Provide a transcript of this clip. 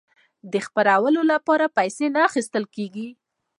د خپرولو لپاره پیسې نه اخیستل کیږي.